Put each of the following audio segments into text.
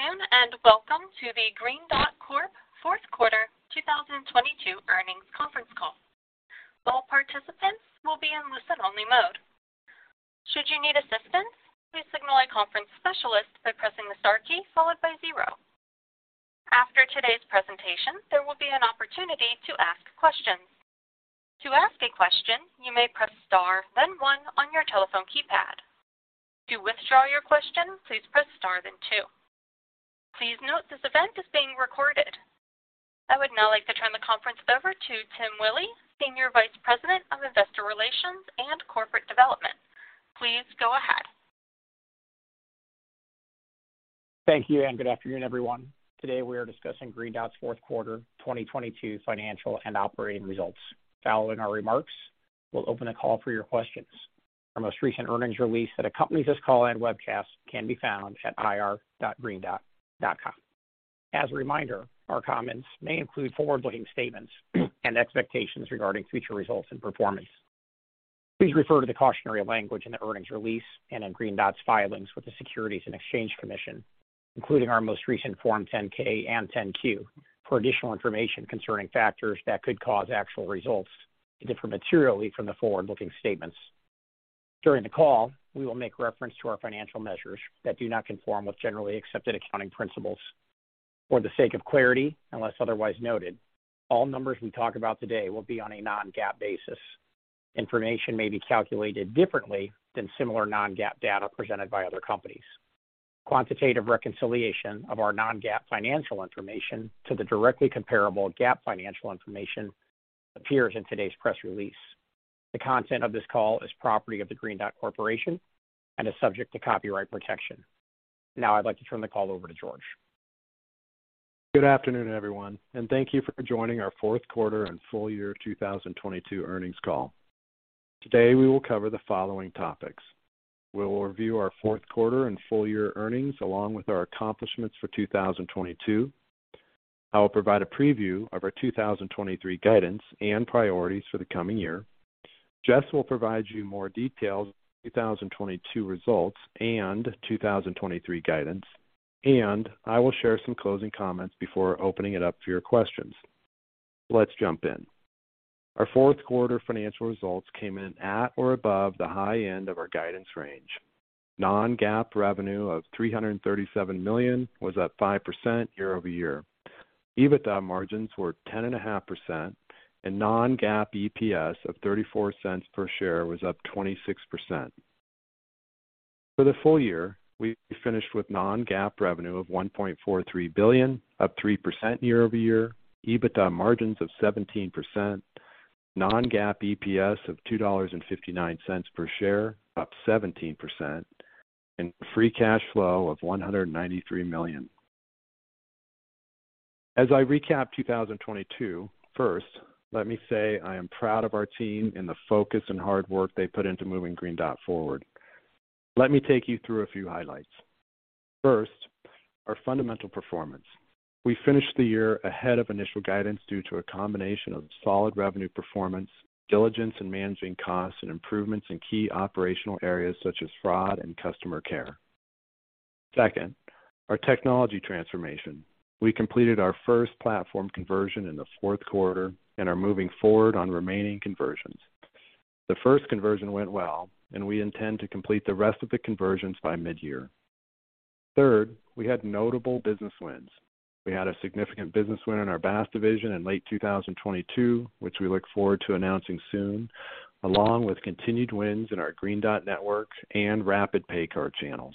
Good afternoon, and welcome to the Green Dot Corp fourth quarter 2022 earnings conference call. All participants will be in listen-only mode. Should you need assistance, please signal a conference specialist by pressing the Star key followed by 0. After today's presentation, there will be an opportunity to ask questions. To ask a question, you may press Star then 1 on your telephone keypad. To withdraw your question, please press Star then 2. Please note this event is being recorded. I would now like to turn the conference over to Tim Willi, Senior Vice President of Investor Relations and Corporate Development. Please go ahead. Thank you and good afternoon, everyone. Today we are discussing Green Dot's fourth quarter 2022 financial and operating results. Following our remarks, we'll open the call for your questions. Our most recent earnings release that accompanies this call and webcast can be found at ir.greendot.com. As a reminder, our comments may include forward-looking statements and expectations regarding future results and performance. Please refer to the cautionary language in the earnings release and in Green Dot's filings with the Securities and Exchange Commission, including our most recent Form 10-K and 10-Q, for additional information concerning factors that could cause actual results to differ materially from the forward-looking statements. During the call, we will make reference to our financial measures that do not conform with generally accepted accounting principles. For the sake of clarity, unless otherwise noted, all numbers we talk about today will be on a non-GAAP basis. Information may be calculated differently than similar non-GAAP data presented by other companies. Quantitative reconciliation of our non-GAAP financial information to the directly comparable GAAP financial information appears in today's press release. The content of this call is property of the Green Dot Corporation and is subject to copyright protection. I'd like to turn the call over to George. Good afternoon, everyone, thank you for joining our fourth quarter and full year 2022 earnings call. Today, we will cover the following topics. We will review our fourth quarter and full-year earnings along with our accomplishments for 2022. I will provide a preview of our 2023 guidance and priorities for the coming year. Jess will provide you more details of 2022 results and 2023 guidance, and I will share some closing comments before opening it up for your questions. Let's jump in. Our fourth quarter financial results came in at or above the high end of our guidance range. Non-GAAP revenue of $337 million was up 5% year-over-year. EBITDA margins were 10.5%, and non-GAAP EPS of $0.34 per share was up 26%. For the full year, we finished with non-GAAP revenue of $1.43 billion, up 3% year-over-year. EBITDA margins of 17%. Non-GAAP EPS of $2.59 per share, up 17% and free cash flow of $193 million. As I recap 2022, first, let me say I am proud of our team and the focus and hard work they put into moving Green Dot forward. Let me take you through a few highlights. First, our fundamental performance. We finished the year ahead of initial guidance due to a combination of solid revenue performance, diligence in managing costs and improvements in key operational areas such as fraud and customer care. Second, our technology transformation. We completed our first platform conversion in the fourth quarter and are moving forward on remaining conversions. The first conversion went well, and we intend to complete the rest of the conversions by mid-year. Third, we had notable business wins. We had a significant business win in our BaaS division in late 2022, which we look forward to announcing soon, along with continued wins in our Green Dot Network and rapid! PayCard channels.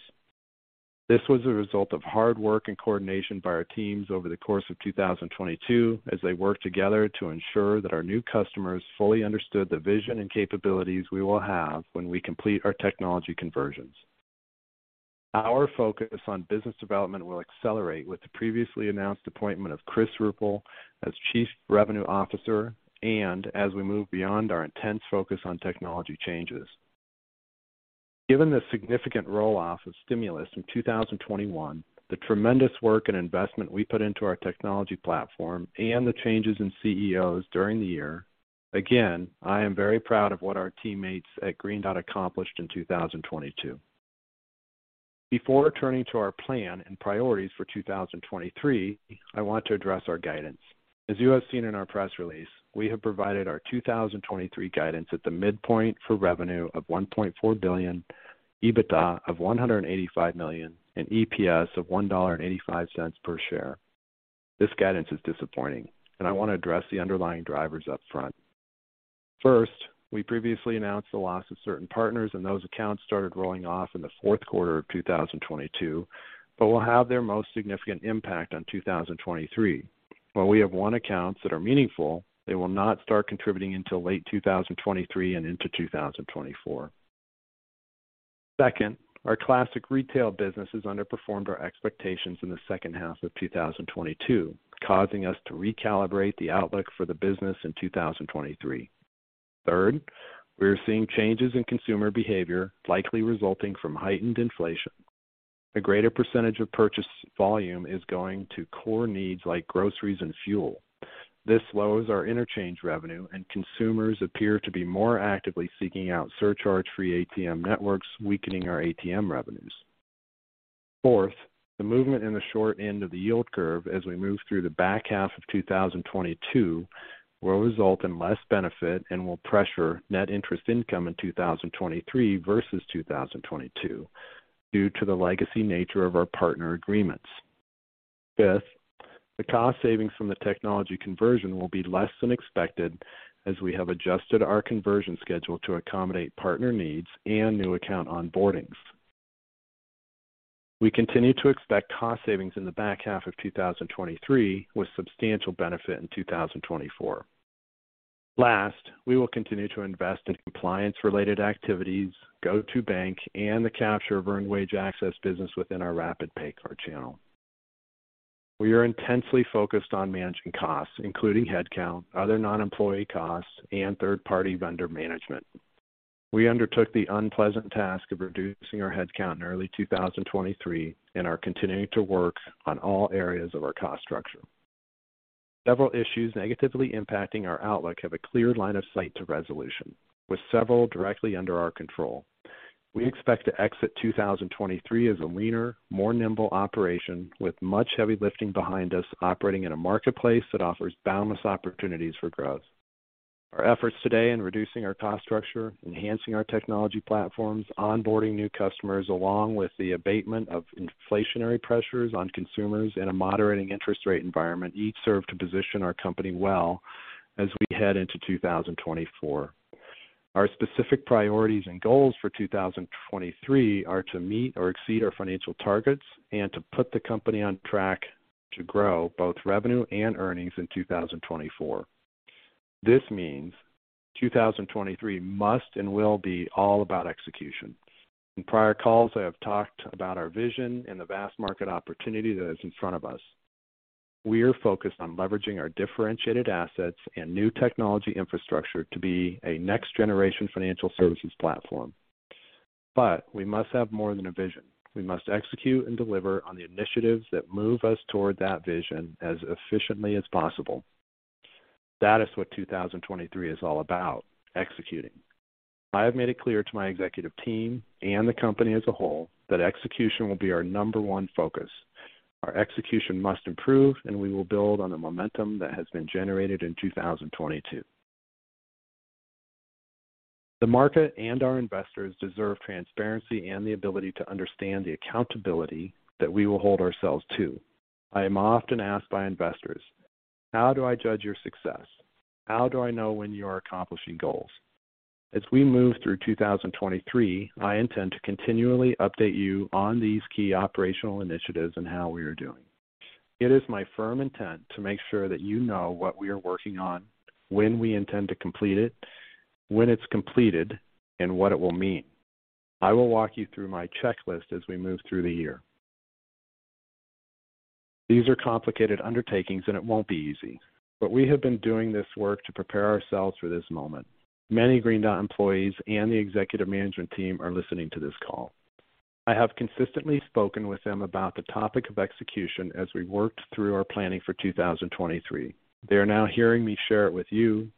This was a result of hard work and coordination by our teams over the course of 2022 as they worked together to ensure that our new customers fully understood the vision and capabilities we will have when we complete our technology conversions. Our focus on business development will accelerate with the previously announced appointment of Chris Ruppel as Chief Revenue Officer and as we move beyond our intense focus on technology changes. Given the significant roll-off of stimulus in 2021, the tremendous work and investment we put into our technology platform and the changes in CEOs during the year, again, I am very proud of what our teammates at Green Dot accomplished in 2022. Before turning to our plan and priorities for 2023, I want to address our guidance. As you have seen in our press release, we have provided our 2023 guidance at the midpoint for revenue of $1.4 billion, EBITDA of $185 million, and EPS of $1.85 per share. This guidance is disappointing. I want to address the underlying drivers up front. First, we previously announced the loss of certain partners and those accounts started rolling off in the fourth quarter of 2022 but will have their most significant impact on 2023. While we have won accounts that are meaningful, they will not start contributing until late 2023 and into 2024. Second, our classic retail business has underperformed our expectations in the second half of 2022, causing us to recalibrate the outlook for the business in 2023. Third, we are seeing changes in consumer behavior, likely resulting from heightened inflation. A greater percentage of purchase volume is going to core needs like groceries and fuel. This lowers our interchange revenue, and consumers appear to be more actively seeking out surcharge-free ATM networks, weakening our ATM revenues. Fourth, the movement in the short end of the yield curve as we move through the back half of 2022 will result in less benefit and will pressure net interest income in 2023 versus 2022 due to the legacy nature of our partner agreements. Fifth, the cost savings from the technology conversion will be less than expected as we have adjusted our conversion schedule to accommodate partner needs and new account onboardings. We continue to expect cost savings in the back half of 2023, with substantial benefit in 2024. We will continue to invest in compliance-related activities, GO2bank, and the capture of earned wage access business within our rapid! PayCard channel. We are intensely focused on managing costs, including headcount, other non-employee costs, and third-party vendor management. We undertook the unpleasant task of reducing our headcount in early 2023 and are continuing to work on all areas of our cost structure. Several issues negatively impacting our outlook have a clear line of sight to resolution, with several directly under our control. We expect to exit 2023 as a leaner, more nimble operation with much heavy lifting behind us operating in a marketplace that offers boundless opportunities for growth. Our efforts today in reducing our cost structure, enhancing our technology platforms, onboarding new customers, along with the abatement of inflationary pressures on consumers in a moderating interest rate environment each serve to position our company well as we head into 2024. Our specific priorities and goals for 2023 are to meet or exceed our financial targets and to put the company on track to grow both revenue and earnings in 2024. This means 2023 must and will be all about execution. In prior calls, I have talked about our vision and the vast market opportunity that is in front of us. We are focused on leveraging our differentiated assets and new technology infrastructure to be a next-generation financial services platform. We must have more than a vision. We must execute and deliver on the initiatives that move us toward that vision as efficiently as possible. That is what 2023 is all about, executing. I have made it clear to my executive team and the company as a whole that execution will be our number one focus. Our execution must improve, and we will build on the momentum that has been generated in 2022. The market and our investors deserve transparency and the ability to understand the accountability that we will hold ourselves to. I am often asked by investors, "How do I judge your success? How do I know when you are accomplishing goals?" As we move through 2023, I intend to continually update you on these key operational initiatives and how we are doing. It is my firm intent to make sure that you know what we are working on, when we intend to complete it, when it's completed, and what it will mean. I will walk you through my checklist as we move through the year. These are complicated undertakings, and it won't be easy, but we have been doing this work to prepare ourselves for this moment. Many Green Dot employees and the executive management team are listening to this call. I have consistently spoken with them about the topic of execution as we worked through our planning for 2023. They are now hearing me share it with you.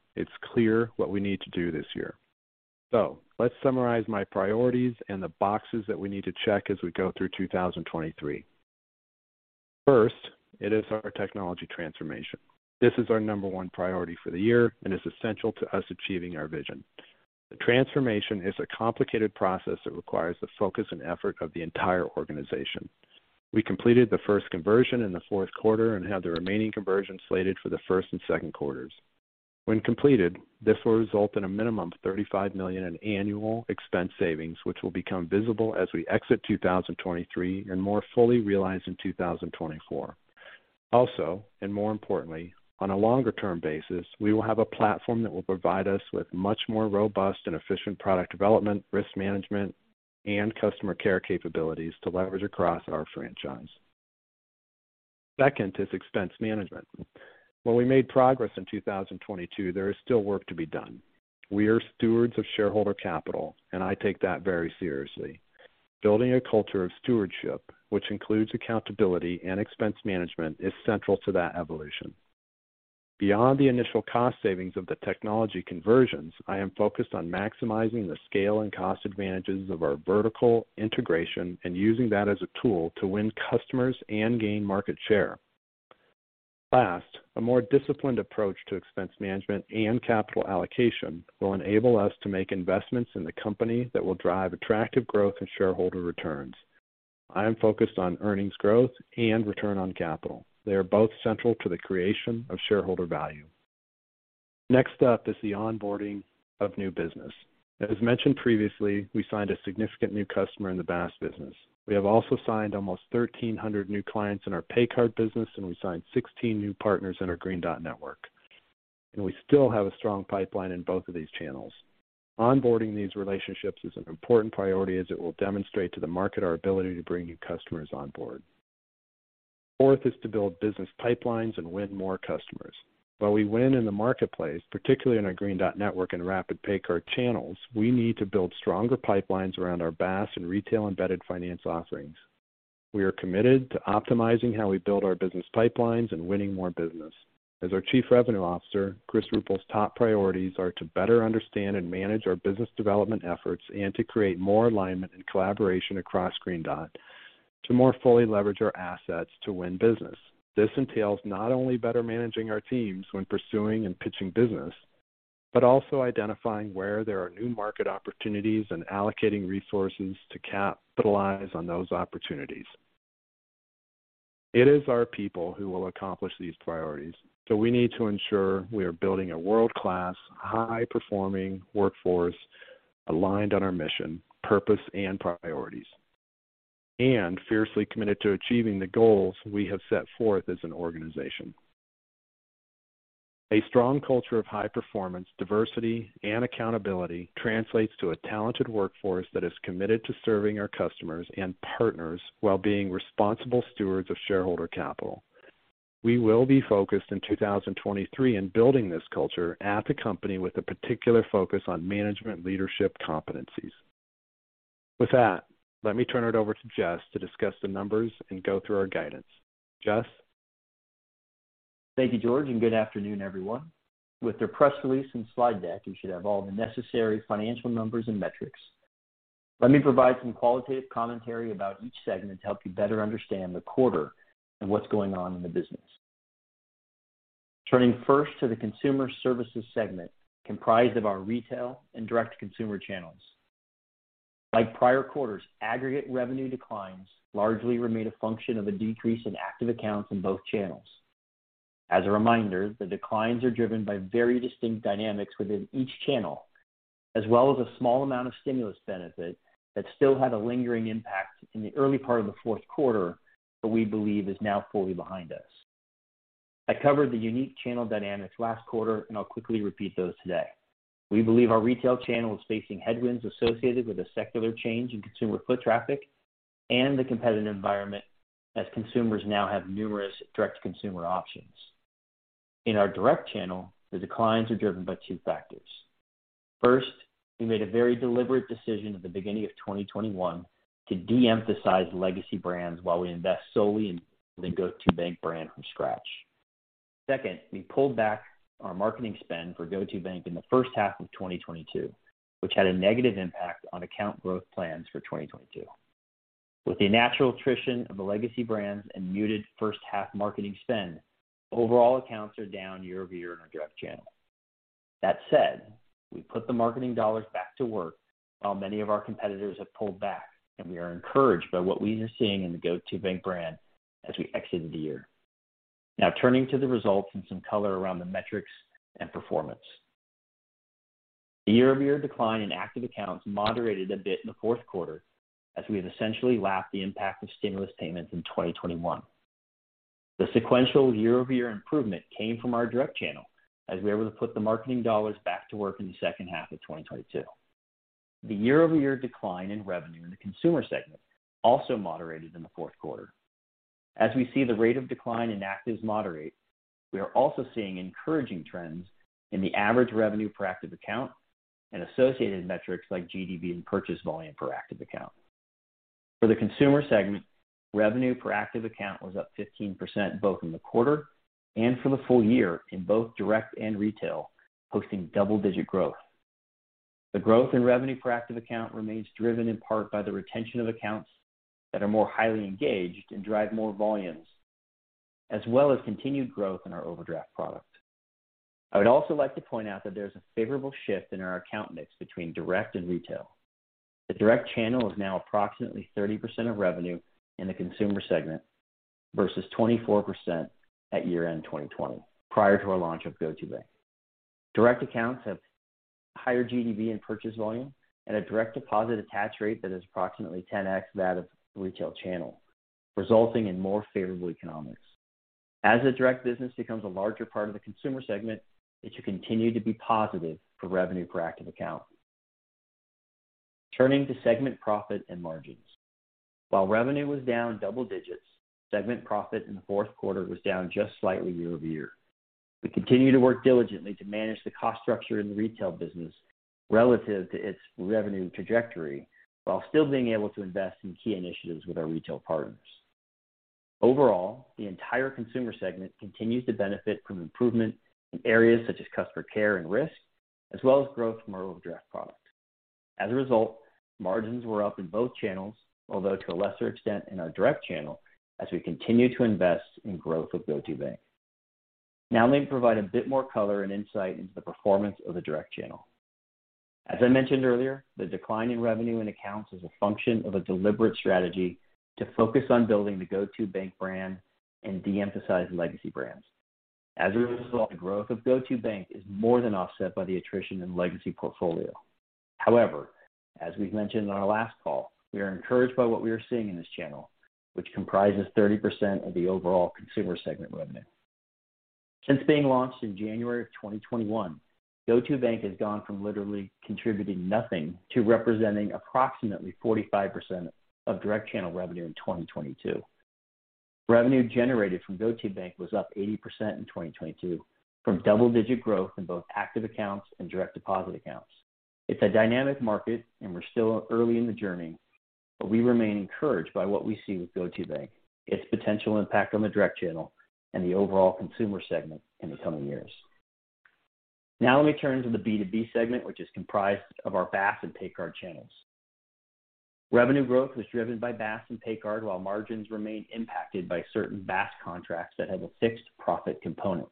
Let's summarize my priorities and the boxes that we need to check as we go through 2023. First, it is our technology transformation. This is our number 1 priority for the year and is essential to us achieving our vision. The transformation is a complicated process that requires the focus and effort of the entire organization. We completed the first conversion in the fourth quarter and have the remaining conversion slated for the first and second quarters. When completed, this will result in a minimum of $35 million in annual expense savings, which will become visible as we exit 2023 and more fully realized in 2024. Also, and more importantly, on a longer-term basis, we will have a platform that will provide us with much more robust and efficient product development, risk management, and customer care capabilities to leverage across our franchise. Second is expense management. While we made progress in 2022, there is still work to be done. We are stewards of shareholder capital, and I take that very seriously. Building a culture of stewardship, which includes accountability and expense management, is central to that evolution. Beyond the initial cost savings of the technology conversions, I am focused on maximizing the scale and cost advantages of our vertical integration and using that as a tool to win customers and gain market share. Last, a more disciplined approach to expense management and capital allocation will enable us to make investments in the company that will drive attractive growth and shareholder returns. I am focused on earnings growth and return on capital. They are both central to the creation of shareholder value. Next up is the onboarding of new business. As mentioned previously, we signed a significant new customer in the BaaS business. We have also signed almost 1,300 new clients in our PayCard business, and we signed 16 new partners in our Green Dot Network. We still have a strong pipeline in both of these channels. Onboarding these relationships is an important priority as it will demonstrate to the market our ability to bring new customers on board. Fourth is to build business pipelines and win more customers. While we win in the marketplace, particularly in our Green Dot Network and rapid! PayCard channels, we need to build stronger pipelines around our BaaS and retail-embedded finance offerings. We are committed to optimizing how we build our business pipelines and winning more business. As our Chief Revenue Officer, Chris Ruppel's top priorities are to better understand and manage our business development efforts and to create more alignment and collaboration across Green Dot to more fully leverage our assets to win business. This entails not only better managing our teams when pursuing and pitching business, but also identifying where there are new market opportunities and allocating resources to capitalize on those opportunities. It is our people who will accomplish these priorities, so we need to ensure we are building a world-class, high-performing workforce aligned on our mission, purpose, and priorities, and fiercely committed to achieving the goals we have set forth as an organization. A strong culture of high performance, diversity, and accountability translates to a talented workforce that is committed to serving our customers and partners while being responsible stewards of shareholder capital. We will be focused in 2023 in building this culture at the company with a particular focus on management leadership competencies. With that, let me turn it over to Jess to discuss the numbers and go through our guidance. Jess? Thank you, George. Good afternoon, everyone. With the press release and slide deck, you should have all the necessary financial numbers and metrics. Let me provide some qualitative commentary about each segment to help you better understand the quarter and what's going on in the business. Turning first to the consumer services segment, comprised of our retail and direct-to-consumer channels. Like prior quarters, aggregate revenue declines largely remain a function of a decrease in active accounts in both channels. As a reminder, the declines are driven by very distinct dynamics within each channel, as well as a small amount of stimulus benefit that still had a lingering impact in the early part of the fourth quarter that we believe is now fully behind us. I covered the unique channel dynamics last quarter, and I'll quickly repeat those today. We believe our retail channel is facing headwinds associated with a secular change in consumer foot traffic and the competitive environment as consumers now have numerous direct-to-consumer options. In our direct channel, the declines are driven by two factors. First, we made a very deliberate decision at the beginning of 2021 to de-emphasize legacy brands while we invest solely in the GO2bank brand from scratch. Second, we pulled back our marketing spend for GO2bank in the first half of 2022, which had a negative impact on account growth plans for 2022. With the natural attrition of the legacy brands and muted first half marketing spend, overall accounts are down year-over-year in our direct channel. That said, we put the marketing dollars back to work while many of our competitors have pulled back. We are encouraged by what we are seeing in the GO2bank brand as we exited the year. Now turning to the results and some color around the metrics and performance. The year-over-year decline in active accounts moderated a bit in the fourth quarter as we have essentially lapped the impact of stimulus payments in 2021. The sequential year-over-year improvement came from our direct channel as we were able to put the marketing dollars back to work in the second half of 2022. The year-over-year decline in revenue in the consumer segment also moderated in the fourth quarter. As we see the rate of decline in actives moderate, we are also seeing encouraging trends in the average revenue per active account and associated metrics like GDV and purchase volume per active account. For the consumer segment, revenue per active account was up 15% both in the quarter and for the full year in both direct and retail, posting double-digit growth. The growth in revenue per active account remains driven in part by the retention of accounts that are more highly engaged and drive more volumes as well as continued growth in our overdraft product. I would also like to point out that there's a favorable shift in our account mix between direct and retail. The direct channel is now approximately 30% of revenue in the consumer segment versus 24% at year-end 2020, prior to our launch of GO2bank. Direct accounts have higher GDV and purchase volume and a direct deposit attach rate that is approximately 10x that of the retail channel, resulting in more favorable economics. As the direct business becomes a larger part of the consumer segment, it should continue to be positive for revenue per active account. Turning to segment profit and margins. While revenue was down double digits, segment profit in the fourth quarter was down just slightly year-over-year. We continue to work diligently to manage the cost structure in the retail business relative to its revenue trajectory while still being able to invest in key initiatives with our retail partners. Overall, the entire consumer segment continues to benefit from improvement in areas such as customer care and risk, as well as growth from our overdraft product. As a result, margins were up in both channels, although to a lesser extent in our direct channel, as we continue to invest in growth of GO2bank. Now let me provide a bit more color and insight into the performance of the direct channel. As I mentioned earlier, the decline in revenue and accounts is a function of a deliberate strategy to focus on building the GO2bank brand and de-emphasize legacy brands. As a result, the growth of GO2bank is more than offset by the attrition in legacy portfolio. However, as we've mentioned on our last call, we are encouraged by what we are seeing in this channel, which comprises 30% of the overall consumer segment revenue. Since being launched in January of 2021, GO2bank has gone from literally contributing nothing to representing approximately 45% of direct channel revenue in 2022. Revenue generated from GO2bank was up 80% in 2022 from double-digit growth in both active accounts and direct deposit accounts. It's a dynamic market, and we're still early in the journey, but we remain encouraged by what we see with GO2bank, its potential impact on the direct channel and the overall consumer segment in the coming years. Now let me turn to the B2B segment, which is comprised of our BaaS and PayCard channels. Revenue growth was driven by BaaS and PayCard, while margins remained impacted by certain BaaS contracts that have a fixed profit component.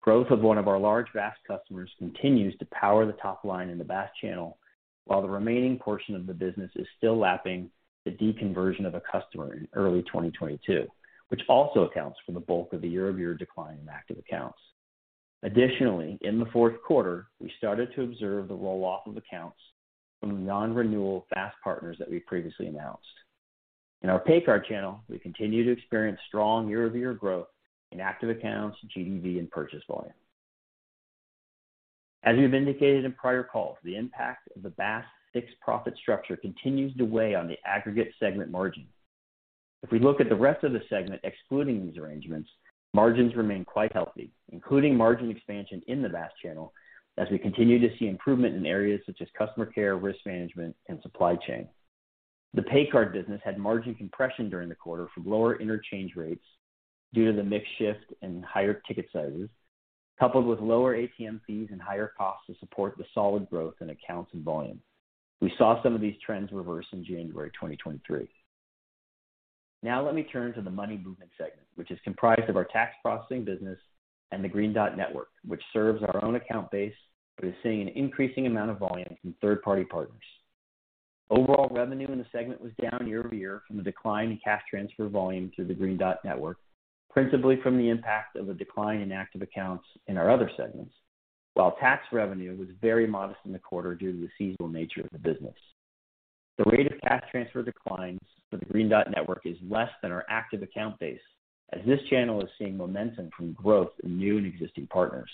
Growth of one of our large BaaS customers continues to power the top line in the BaaS channel, while the remaining portion of the business is still lapping the deconversion of a customer in early 2022, which also accounts for the bulk of the year-over-year decline in active accounts. In the fourth quarter, we started to observe the roll-off of accounts from the non-renewal BaaS partners that we previously announced. In our PayCard channel, we continue to experience strong year-over-year growth in active accounts, GDV, and purchase volume. As we've indicated in prior calls, the impact of the BaaS fixed profit structure continues to weigh on the aggregate segment margin. If we look at the rest of the segment, excluding these arrangements, margins remain quite healthy, including margin expansion in the BaaS channel as we continue to see improvement in areas such as customer care, risk management, and supply chain. The PayCard business had margin compression during the quarter from lower interchange rates due to the mix shift and higher ticket sizes, coupled with lower ATM fees and higher costs to support the solid growth in accounts and volume. We saw some of these trends reverse in January 2023. Now let me turn to the money movement segment, which is comprised of our tax processing business and the Green Dot Network, which serves our own account base but is seeing an increasing amount of volume from third-party partners. Overall revenue in the segment was down year-over-year from the decline in cash transfer volume through the Green Dot Network, principally from the impact of a decline in active accounts in our other segments, while tax revenue was very modest in the quarter due to the seasonal nature of the business. The rate of cash transfer declines for the Green Dot Network is less than our active account base, as this channel is seeing momentum from growth in new and existing partners.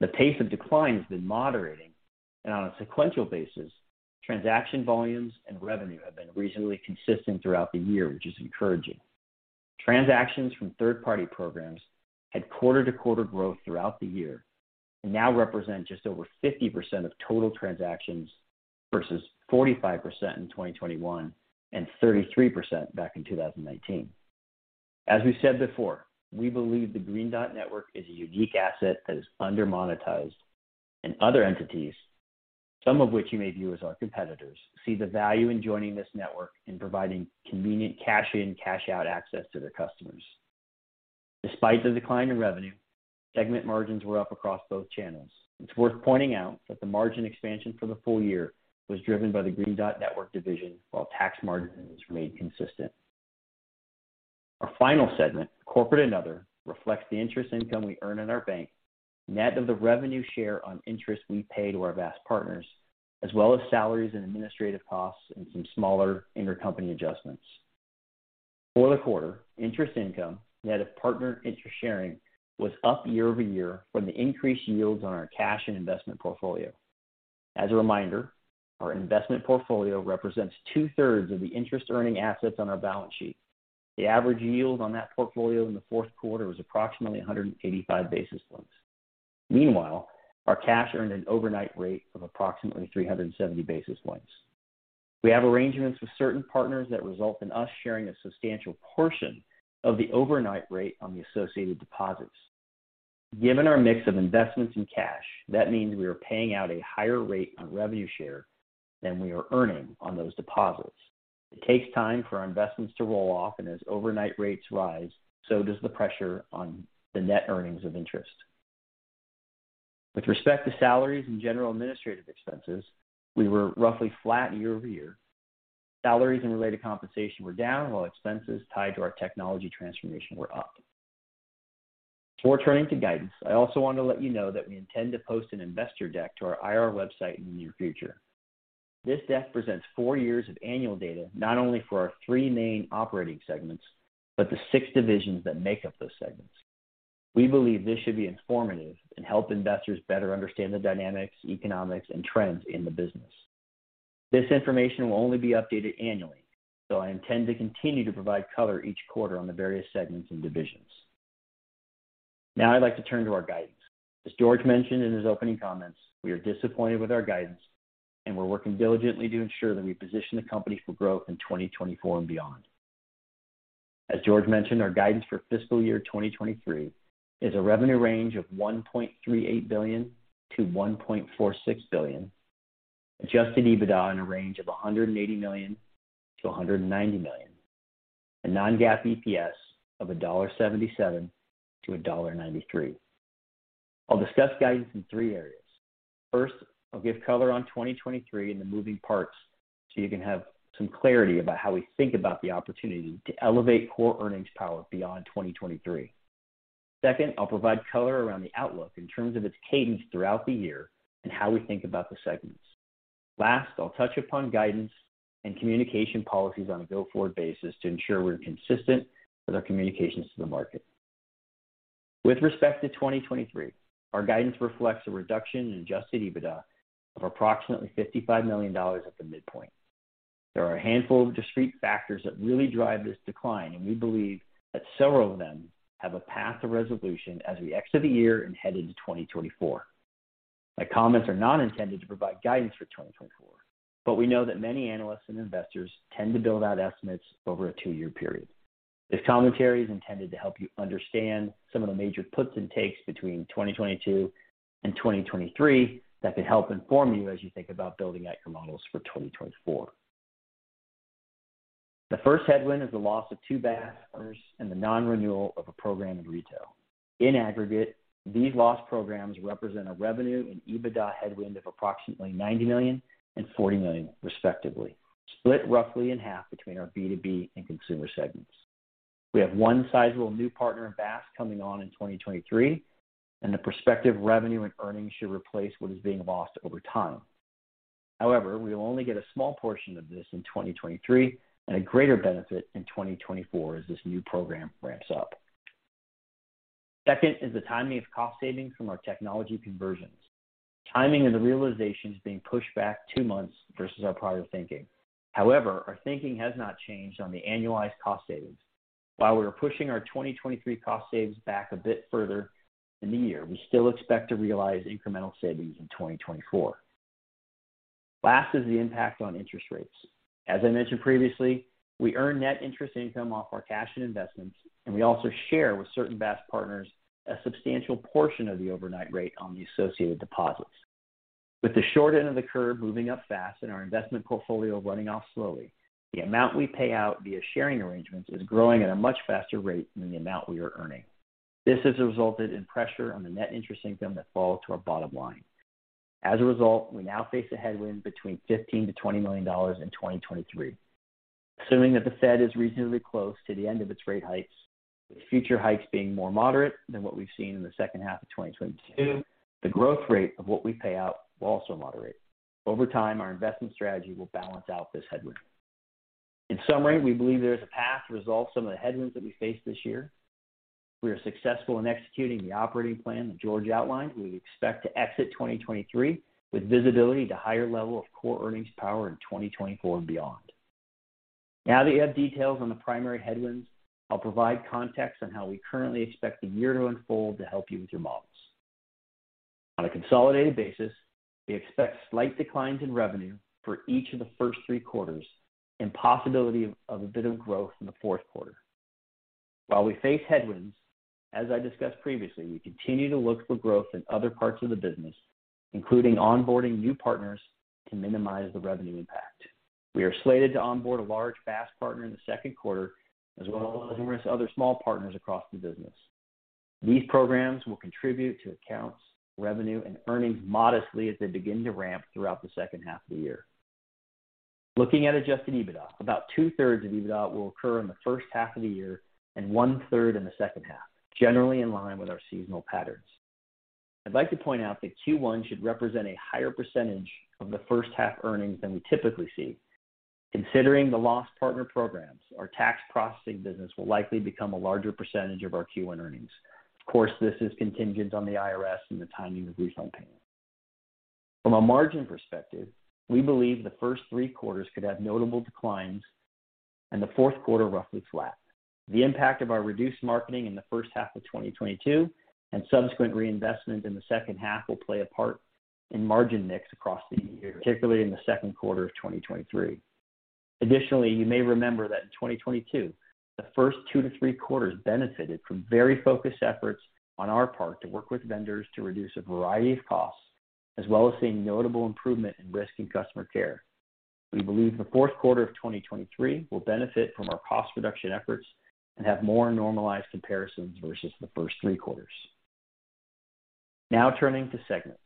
The pace of decline has been moderating, and on a sequential basis, transaction volumes and revenue have been reasonably consistent throughout the year, which is encouraging. Transactions from third-party programs had quarter-to-quarter growth throughout the year and now represent just over 50% of total transactions versus 45% in 2021 and 33% back in 2019. As we've said before, we believe the Green Dot Network is a unique asset that is under-monetized, other entities, some of which you may view as our competitors, see the value in joining this network in providing convenient cash in cash out access to their customers. Despite the decline in revenue, segment margins were up across both channels. It's worth pointing out that the margin expansion for the full year was driven by the Green Dot Network division while tax margins remained consistent. Our final segment, Corporate and Other, reflects the interest income we earn in our bank, net of the revenue share on interest we pay to our BaaS partners, as well as salaries and administrative costs and some smaller intercompany adjustments. For the quarter, interest income net of partner interest sharing was up year-over-year from the increased yields on our cash and investment portfolio. As a reminder, our investment portfolio represents two-thirds of the interest-earning assets on our balance sheet. The average yield on that portfolio in the fourth quarter was approximately 185 basis points. Meanwhile, our cash earned an overnight rate of approximately 370 basis points. We have arrangements with certain partners that result in us sharing a substantial portion of the overnight rate on the associated deposits. Given our mix of investments in cash, that means we are paying out a higher rate on revenue share than we are earning on those deposits. It takes time for our investments to roll off, as overnight rates rise, so does the pressure on the net earnings of interest. With respect to salaries and general administrative expenses, we were roughly flat year-over-year. Salaries and related compensation were down while expenses tied to our technology transformation were up. Before turning to guidance, I also want to let you know that we intend to post an investor deck to our IR website in the near future. This deck presents 4 years of annual data, not only for our 3 main operating segments, but the 6 divisions that make up those segments. We believe this should be informative and help investors better understand the dynamics, economics, and trends in the business. This information will only be updated annually, so I intend to continue to provide color each quarter on the various segments and divisions. Now I'd like to turn to our guidance. As George mentioned in his opening comments, we are disappointed with our guidance, and we're working diligently to ensure that we position the company for growth in 2024 and beyond. As George mentioned, our guidance for fiscal year 2023 is a revenue range of $1.38 billion-$1.46 billion, Adjusted EBITDA in a range of $180 million-$190 million, and non-GAAP EPS of $1.77-$1.93. I'll discuss guidance in three areas. First, I'll give color on 2023 and the moving parts so you can have some clarity about how we think about the opportunity to elevate core earnings power beyond 2023. Second, I'll provide color around the outlook in terms of its cadence throughout the year and how we think about the segments. Last, I'll touch upon guidance and communication policies on a go-forward basis to ensure we're consistent with our communications to the market. With respect to 2023, our guidance reflects a reduction in Adjusted EBITDA of approximately $55 million at the midpoint. There are a handful of discrete factors that really drive this decline, and we believe that several of them have a path to resolution as we exit the year and head into 2024. My comments are not intended to provide guidance for 2024, but we know that many analysts and investors tend to build out estimates over a 2-year period. This commentary is intended to help you understand some of the major puts and takes between 2022 and 2023 that could help inform you as you think about building out your models for 2024. The first headwind is the loss of 2 BaaS partners and the non-renewal of a program in retail. In aggregate, these lost programs represent a revenue and EBITDA headwind of approximately $90 million and $40 million, respectively, split roughly in half between our B2B and consumer segments. We have 1 sizable new partner in BaaS coming on in 2023, and the prospective revenue and earnings should replace what is being lost over time. However, we will only get a small portion of this in 2023 and a greater benefit in 2024 as this new program ramps up. Second is the timing of cost savings from our technology conversions. Timing and the realization is being pushed back 2 months versus our prior thinking. However, our thinking has not changed on the annualized cost savings. We are pushing our 2023 cost saves back a bit further in the year, we still expect to realize incremental savings in 2024. Last is the impact on interest rates. As I mentioned previously, we earn net interest income off our cash and investments, and we also share with certain BaaS partners a substantial portion of the overnight rate on the associated deposits. With the short end of the curve moving up fast and our investment portfolio running off slowly, the amount we pay out via sharing arrangements is growing at a much faster rate than the amount we are earning. This has resulted in pressure on the net interest income that fall to our bottom line. As a result, we now face a headwind between $15 million-$20 million in 2023. Assuming that the Fed is reasonably close to the end of its rate hikes, with future hikes being more moderate than what we've seen in the second half of 2022, the growth rate of what we pay out will also moderate. Over time, our investment strategy will balance out this headwind. In summary, we believe there is a path to resolve some of the headwinds that we face this year. If we are successful in executing the operating plan that George outlined, we expect to exit 2023 with visibility to higher level of core earnings power in 2024 and beyond. Now that you have details on the primary headwinds, I'll provide context on how we currently expect the year to unfold to help you with your models. On a consolidated basis, we expect slight declines in revenue for each of the first three quarters and possibility of a bit of growth in the fourth quarter. While we face headwinds, as I discussed previously, we continue to look for growth in other parts of the business, including onboarding new partners to minimize the revenue impact. We are slated to onboard a large BaaS partner in the second quarter, as well as numerous other small partners across the business. These programs will contribute to accounts, revenue and earnings modestly as they begin to ramp throughout the second half of the year. Looking at Adjusted EBITDA, about two-thirds of EBITDA will occur in the first half of the year and one-third in the second half, generally in line with our seasonal patterns. I'd like to point out that Q1 should represent a higher percentage of the first half earnings than we typically see. Considering the lost partner programs, our tax processing business will likely become a larger percentage of our Q1 earnings. Of course, this is contingent on the IRS and the timing of refund payments. From a margin perspective, we believe the first three quarters could have notable declines and the fourth quarter roughly flat. The impact of our reduced marketing in the first half of 2022 and subsequent reinvestment in the second half will play a part in margin mix across the year, particularly in the second quarter of 2023. Additionally, you may remember that in 2022, the first 2-3 quarters benefited from very focused efforts on our part to work with vendors to reduce a variety of costs, as well as seeing notable improvement in risk and customer care. We believe the fourth quarter of 2023 will benefit from our cost reduction efforts and have more normalized comparisons versus the first 3 quarters. Now turning to segments.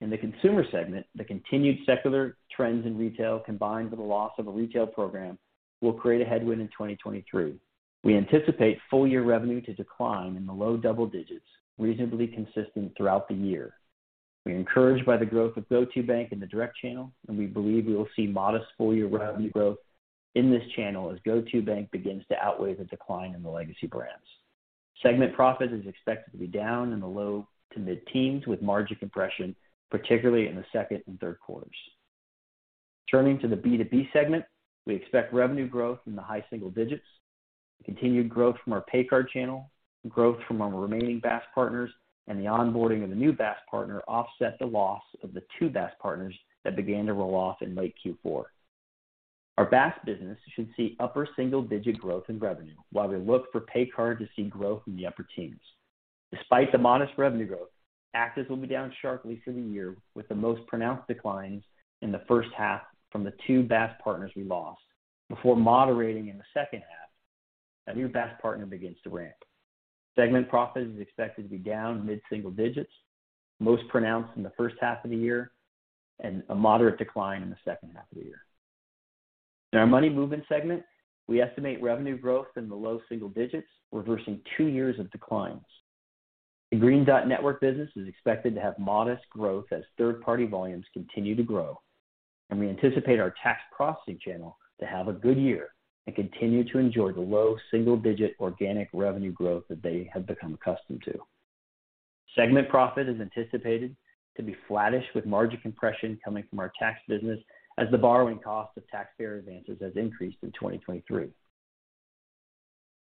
In the consumer segment, the continued secular trends in retail combined with the loss of a retail program will create a headwind in 2023. We anticipate full-year revenue to decline in the low double digits, reasonably consistent throughout the year. We are encouraged by the growth of GO2bank in the direct channel, and we believe we will see modest full-year revenue growth in this channel as GO2bank begins to outweigh the decline in the legacy brands. Segment profit is expected to be down in the low to mid-teens%, with margin compression particularly in the second and third quarters. Turning to the B2B segment, we expect revenue growth in the high single digits%. Continued growth from our PayCard channel, growth from our remaining BaaS partners, and the onboarding of the new BaaS partner offset the loss of the two BaaS partners that began to roll off in late Q4. Our BaaS business should see upper single-digit% growth in revenue while we look for PayCard to see growth in the upper teens%. Despite the modest revenue growth, actives will be down sharply for the year, with the most pronounced declines in the first half from the two BaaS partners we lost before moderating in the second half as our new BaaS partner begins to ramp. Segment profit is expected to be down mid-single digits, most pronounced in the first half of the year, a moderate decline in the second half of the year. In our money movement segment, we estimate revenue growth in the low single digits, reversing 2 years of declines. The Green Dot Network business is expected to have modest growth as third-party volumes continue to grow, we anticipate our tax processing channel to have a good year and continue to enjoy the low single-digit organic revenue growth that they have become accustomed to. Segment profit is anticipated to be flattish with margin compression coming from our tax business as the borrowing cost of taxpayer advances has increased in 2023.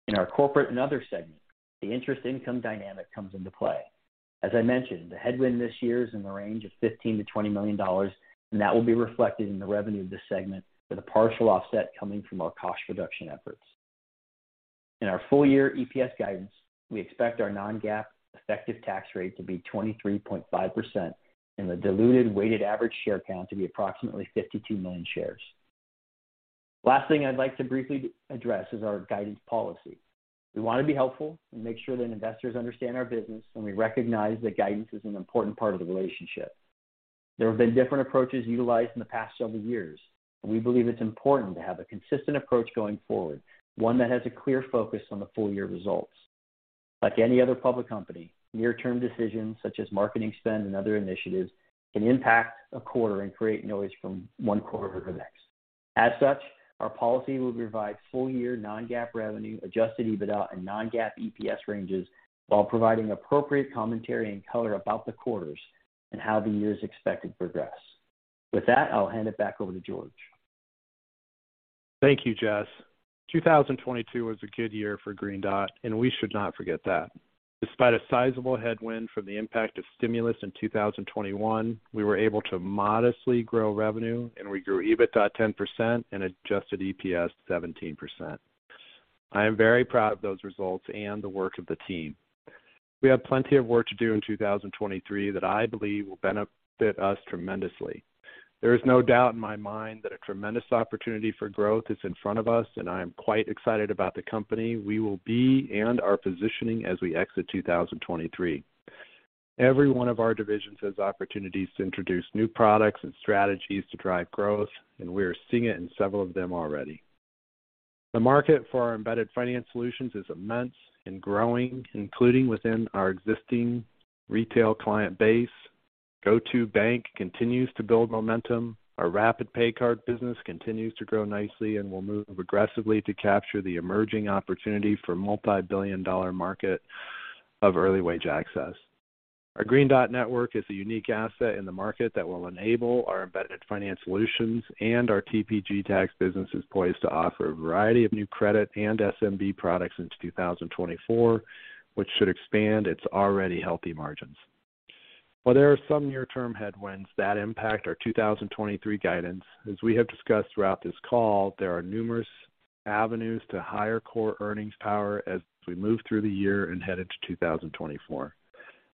In our corporate and other segment, the interest income dynamic comes into play. As I mentioned, the headwind this year is in the range of $15 million-$20 million, and that will be reflected in the revenue of this segment with a partial offset coming from our cost reduction efforts. In our full-year EPS guidance, we expect our non-GAAP effective tax rate to be 23.5% and the diluted weighted average share count to be approximately 52 million shares. Last thing I'd like to briefly address is our guidance policy. We want to be helpful and make sure that investors understand our business, and we recognize that guidance is an important part of the relationship. There have been different approaches utilized in the past several years. We believe it's important to have a consistent approach going forward, one that has a clear focus on the full-year results. Like any other public company, near-term decisions such as marketing spend and other initiatives can impact a quarter and create noise from one quarter to the next. As such, our policy will provide full-year non-GAAP revenue, adjusted EBITDA and non-GAAP EPS ranges while providing appropriate commentary and color about the quarters and how the year is expected to progress. With that, I'll hand it back over to George. Thank you, Jess. 2022 was a good year for Green Dot. We should not forget that. Despite a sizable headwind from the impact of stimulus in 2021, we were able to modestly grow revenue. We grew EBITDA 10% and adjusted EPS 17%. I am very proud of those results and the work of the team. We have plenty of work to do in 2023 that I believe will benefit us tremendously. There is no doubt in my mind that a tremendous opportunity for growth is in front of us. I am quite excited about the company we will be and our positioning as we exit 2023. Every one of our divisions has opportunities to introduce new products and strategies to drive growth. We are seeing it in several of them already. The market for our embedded finance solutions is immense and growing, including within our existing retail client base. GO2bank continues to build momentum. Our rapid! PayCard business continues to grow nicely, and we'll move aggressively to capture the emerging opportunity for multi-billion dollar market of early wage access. Our Green Dot Network is a unique asset in the market that will enable our embedded finance solutions, and our TPG tax business is poised to offer a variety of new credit and SMB products into 2024, which should expand its already healthy margins. While there are some near-term headwinds that impact our 2023 guidance, as we have discussed throughout this call, there are numerous avenues to higher core earnings power as we move through the year and head into 2024.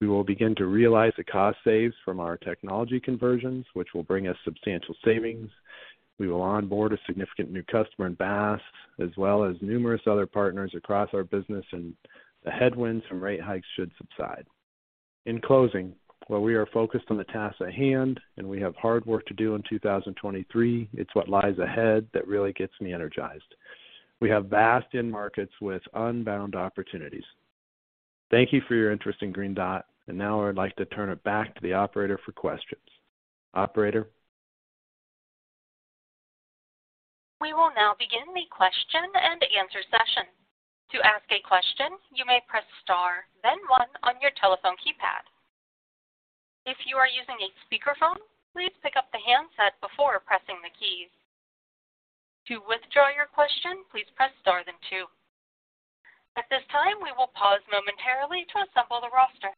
We will begin to realize the cost saves from our technology conversions, which will bring us substantial savings. We will onboard a significant new customer in BaaS, as well as numerous other partners across our business, and the headwinds from rate hikes should subside. In closing, while we are focused on the task at hand and we have hard work to do in 2023, it's what lies ahead that really gets me energized. We have vast end markets with unbound opportunities. Thank you for your interest in Green Dot, and now I'd like to turn it back to the operator for questions. Operator? We will now begin the question and answer session. To ask a question, you may press star then one on your telephone keypad. If you are using a speakerphone, please pick up the handset before pressing the keys. To withdraw your question, please press star then two. At this time, we will pause momentarily to assemble the roster.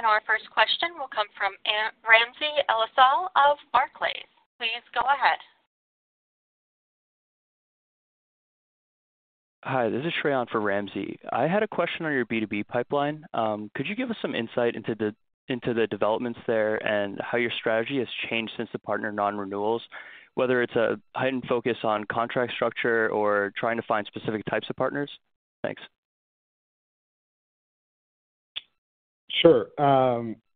Our first question will come from Ramsey El-Assal of Barclays. Please go ahead. Hi, this is Shayaan for Ramsey. I had a question on your B2B pipeline. Could you give us some insight into the developments there and how your strategy has changed since the partner non-renewals, whether it's a heightened focus on contract structure or trying to find specific types of partners? Thanks. Sure.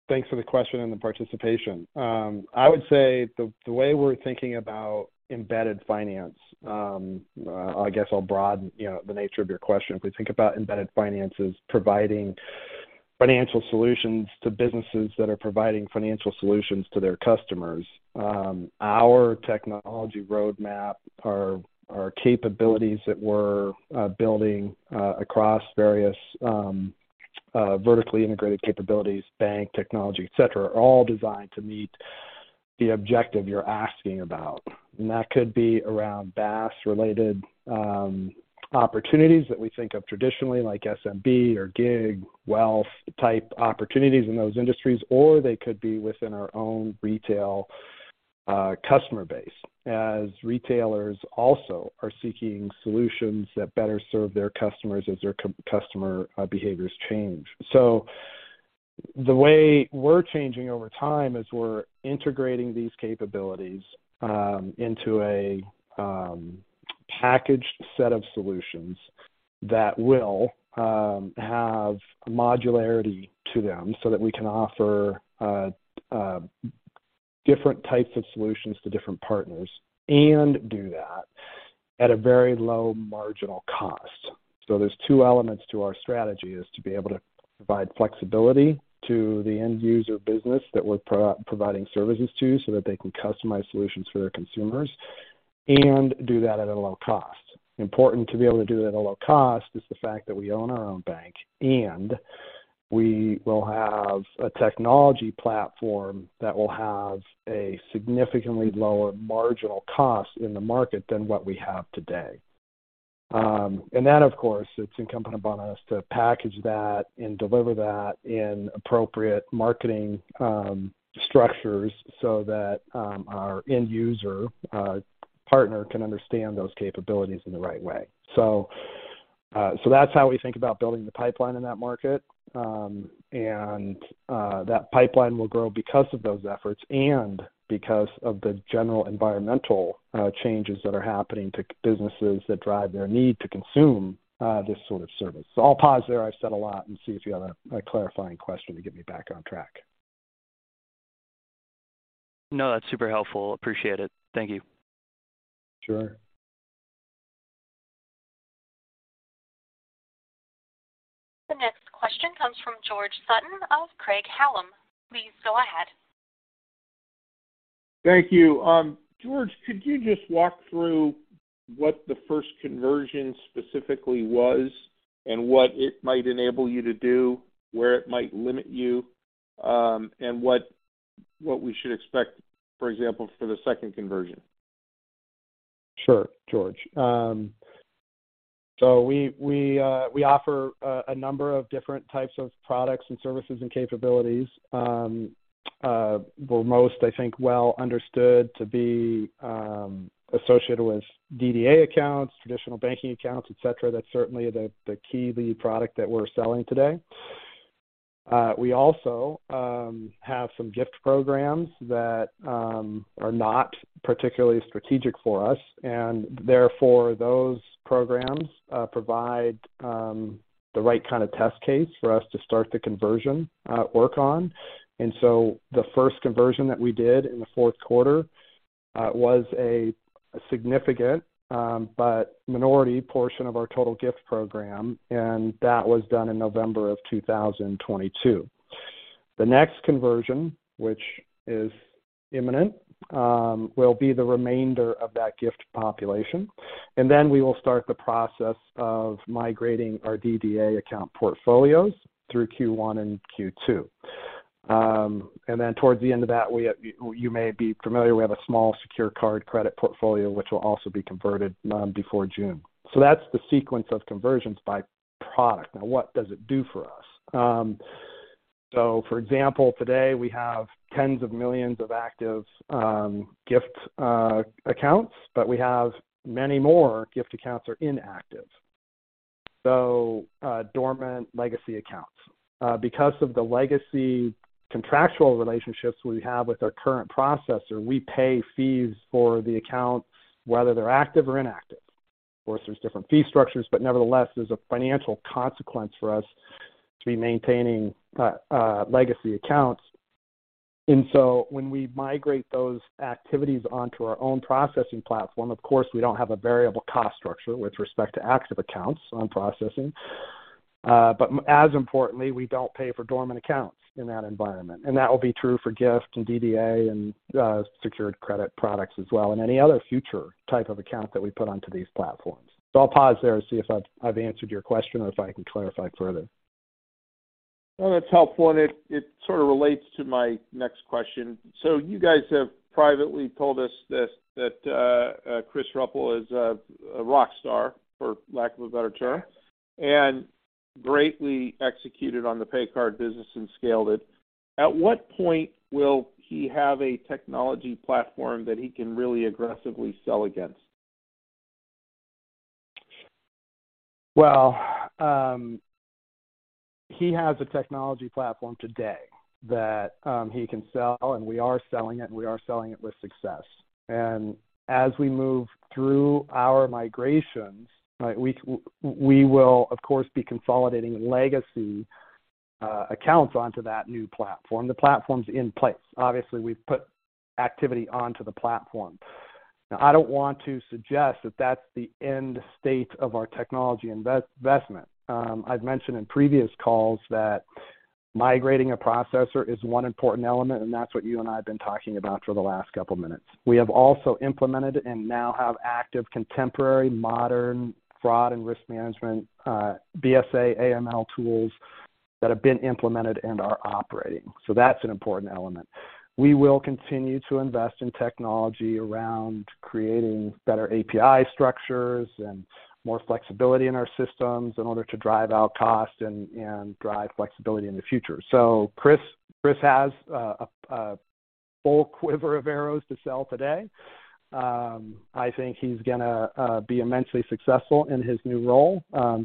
Thanks for the question and the participation. I would say the way we're thinking about embedded finance, I guess I'll broaden, you know, the nature of your question. If we think about embedded finance as providing financial solutions to businesses that are providing financial solutions to their customers, our technology roadmap, our capabilities that we're building across various vertically integrated capabilities, bank technology, et cetera, are all designed to meet the objective you're asking about. That could be around BaaS-related opportunities that we think of traditionally like SMB or gig, wealth type opportunities in those industries, or they could be within our own retail customer base, as retailers also are seeking solutions that better serve their customers as their customer behaviors change. The way we're changing over time is we're integrating these capabilities, into a packaged set of solutions. That will have modularity to them so that we can offer different types of solutions to different partners and do that at a very low marginal cost. There's two elements to our strategy, is to be able to provide flexibility to the end user business that we're providing services to so that they can customize solutions for their consumers and do that at a low cost. Important to be able to do it at a low cost is the fact that we own our own bank, and we will have a technology platform that will have a significantly lower marginal cost in the market than what we have today. That, of course, it's incumbent upon us to package that and deliver that in appropriate marketing structures so that our end user partner can understand those capabilities in the right way. That's how we think about building the pipeline in that market. That pipeline will grow because of those efforts and because of the general environmental changes that are happening to businesses that drive their need to consume this sort of service. I'll pause there. I've said a lot, and see if you have a clarifying question to get me back on track. No, that's super helpful. Appreciate it. Thank you. Sure. The next question comes from George Sutton of Craig-Hallum. Please go ahead. Thank you. George, could you just walk through what the first conversion specifically was and what it might enable you to do, where it might limit you, what we should expect, for example, for the second conversion? Sure, George. We offer a number of different types of products and services and capabilities. We're most, I think, well understood to be associated with DDA accounts, traditional banking accounts, et cetera. That's certainly the key lead product that we're selling today. We also have some gift programs that are not particularly strategic for us, and therefore, those programs provide the right kind of test case for us to start the conversion work on. The first conversion that we did in the fourth quarter was a significant but minority portion of our total gift program, and that was done in November 2022. The next conversion, which is imminent, will be the remainder of that gift population. We will start the process of migrating our DDA account portfolios through Q1 and Q2. Towards the end of that, we have... You may be familiar, we have a small secure card credit portfolio, which will also be converted, before June. That's the sequence of conversions by product. Now what does it do for us? For example, today we have tens of millions of active, gift, accounts, but we have many more gift accounts are inactive. Dormant legacy accounts. Because of the legacy contractual relationships we have with our current processor, we pay fees for the account, whether they're active or inactive. Of course, there's different fee structures, but nevertheless, there's a financial consequence for us to be maintaining, legacy accounts. When we migrate those activities onto our own processing platform, of course, we don't have a variable cost structure with respect to active accounts on processing. But as importantly, we don't pay for dormant accounts in that environment. That will be true for gift and DDA and secured credit products as well, and any other future type of account that we put onto these platforms. I'll pause there and see if I've answered your question or if I can clarify further. No, that's helpful, and it sort of relates to my next question. You guys have privately told us this, that Chris Ruppel is a rock star, for lack of a better term, and greatly executed on the PayCard business and scaled it. At what point will he have a technology platform that he can really aggressively sell against? Well, he has a technology platform today that he can sell, and we are selling it, and we are selling it with success. As we move through our migrations, right, we will, of course, be consolidating legacy accounts onto that new platform. The platform's in place. Obviously, we've put activity onto the platform. I don't want to suggest that that's the end state of our technology investment. I've mentioned in previous calls that migrating a processor is one important element, and that's what you and I have been talking about for the last couple minutes. We have also implemented and now have active contemporary modern fraud and risk management, BSA, AML tools that have been implemented and are operating. That's an important element. We will continue to invest in technology around creating better API structures and more flexibility in our systems in order to drive out cost and drive flexibility in the future. Chris has a full quiver of arrows to sell today. I think he's gonna be immensely successful in his new role,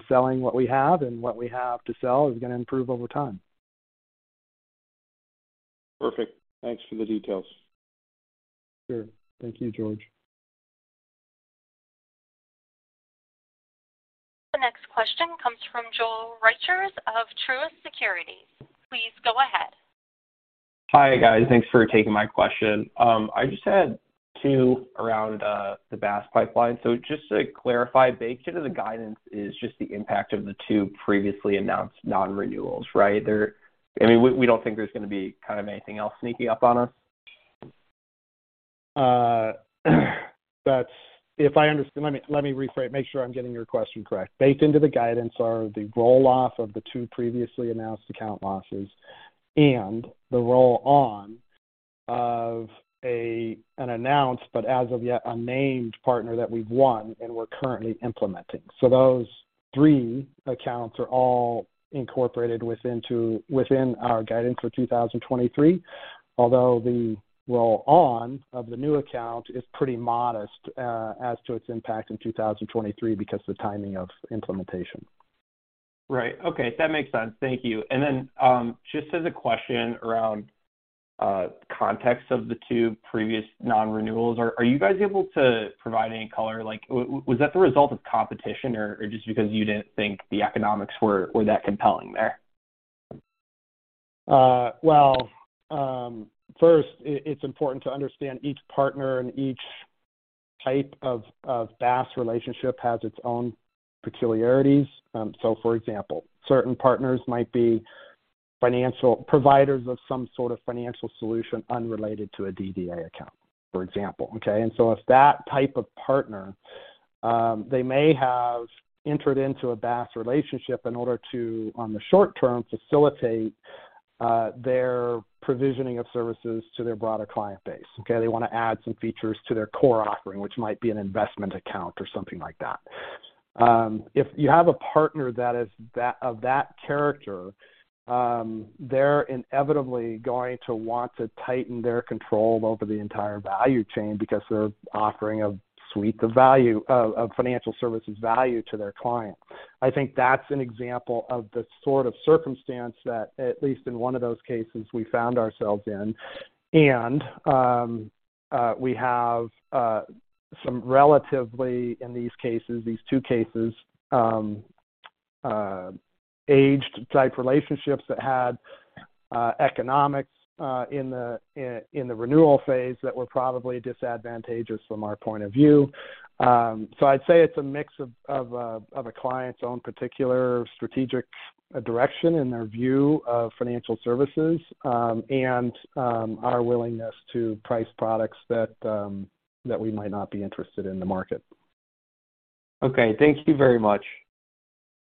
selling what we have, and what we have to sell is gonna improve over time. Perfect. Thanks for the details. Sure. Thank you, George. The next question comes from Joel Riechers of Truist Securities. Please go ahead. Hi, guys. Thanks for taking my question. I just had two around the BaaS pipeline. Just to clarify, baked into the guidance is just the impact of the two previously announced non-renewals, right? I mean, we don't think there's gonna be kind of anything else sneaking up on us? Let me rephrase, make sure I'm getting your question correct. Baked into the guidance are the roll-off of the 2 previously announced account losses and the roll-on of an announced but as of yet unnamed partner that we've won and we're currently implementing. Those 3 accounts are all incorporated within our guidance for 2023. Although the roll-on of the new account is pretty modest, as to its impact in 2023 because the timing of implementation. Right. Okay, that makes sense. Thank you. Just as a question around context of the two previous non-renewals, are you guys able to provide any color? Like, was that the result of competition or just because you didn't think the economics were that compelling there? First, it's important to understand each partner and each type of BaaS relationship has its own peculiarities. For example, certain partners might be financial providers of some sort of financial solution unrelated to a DDA account, for example, okay? If that type of partner, they may have entered into a BaaS relationship in order to, on the short term, facilitate their provisioning of services to their broader client base, okay? They wanna add some features to their core offering, which might be an investment account or something like that. If you have a partner that is of that character, they're inevitably going to want to tighten their control over the entire value chain because they're offering a suite of financial services value to their client. I think that's an example of the sort of circumstance that at least in one of those cases we found ourselves in. We have some relatively, in these cases, these two cases, aged type relationships that had economics in the renewal phase that were probably disadvantageous from our point of view. I'd say it's a mix of a client's own particular strategic direction in their view of financial services, and our willingness to price products that we might not be interested in the market. Okay. Thank you very much.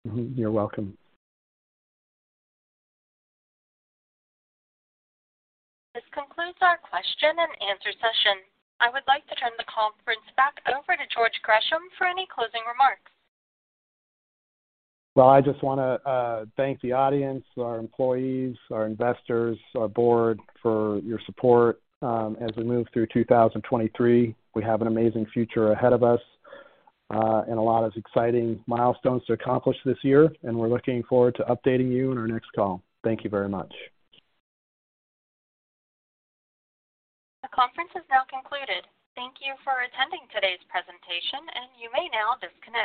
Mm-hmm. You're welcome. This concludes our question and answer session. I would like to turn the conference back over to George Gresham for any closing remarks. Well, I just wanna thank the audience, our employees, our investors, our board for your support, as we move through 2023. We have an amazing future ahead of us, and a lot of exciting milestones to accomplish this year, and we're looking forward to updating you in our next call. Thank you very much. The conference is now concluded. Thank you for attending today's presentation, and you may now disconnect.